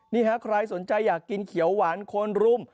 นี่ฮะใครสนใจอยากกินเขียวหวานคนรุม